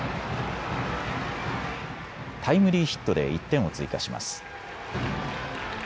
タイムリーヒットで１点を追加します。